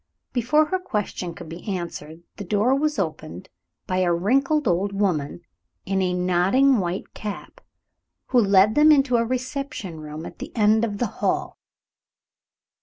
Before her question could be answered, the door was opened by a wrinkled old woman, in a nodding white cap, who led them into a reception room at the end of the hall.